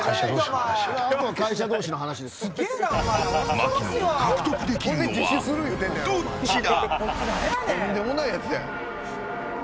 槙野を獲得できるのはどっちだ？